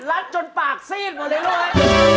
รัดจนปากซีดหมดเลยเลย